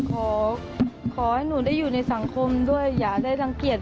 ขอให้หนูได้อยู่ในสังคมด้วยอย่าได้รังเกียจ